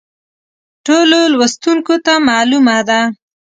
ټولو لوستونکو ته معلومه ده.